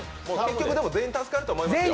でも全員助かると思いますよ。